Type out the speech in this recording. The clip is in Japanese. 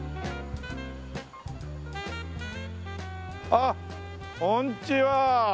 あっこんちは。